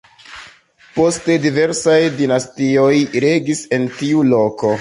Poste diversaj dinastioj regis en tiu loko.